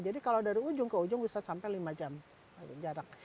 jadi kalau dari ujung ke ujung bisa sampai lima jam jarak